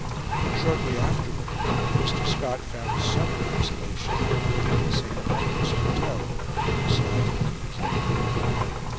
Shortly afterwards Mr. Scott found some consolation in building the St. Pancras Hotel in a style of his own.